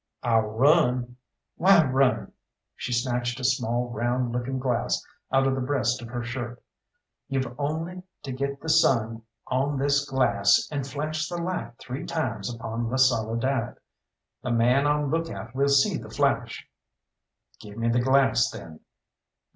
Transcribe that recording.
"I'll run." "Why run?" She snatched a small round looking glass out of the breast of her shirt. "You've only to get the sun on this glass and flash the light three times upon La Soledad. The man on look out will see the flash." "Give me the glass, then."